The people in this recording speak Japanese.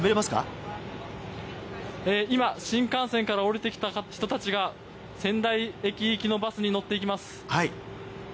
今、新幹線から降りてきた人たちが仙台駅行きのバスに乗っていきます。